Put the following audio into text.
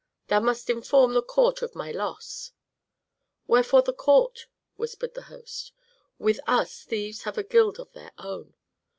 "Thou must inform the court of my loss." "Wherefore the court?" whispered the host. "With us thieves have a guild of their own.